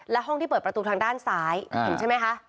และห้องที่เปิดประตูทางด้านซ้ายเห็นใช่ไหมคะ